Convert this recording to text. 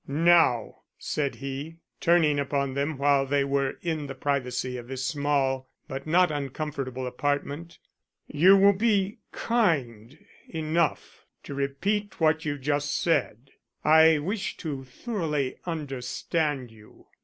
Now," said he, turning upon them when they were in the privacy of his small but not uncomfortable apartment, "you will be kind enough to repeat what you just said. I wish to thoroughly understand you."